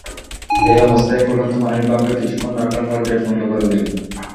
এই অবস্থায় ফুটন্ত পানির ভাঁপে কিছুক্ষণ রাখার পর গ্যাস বন্ধ করে দিন।